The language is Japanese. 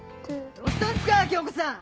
どうしたんすか⁉京子さん！